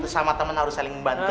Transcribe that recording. sama teman harus saling membantu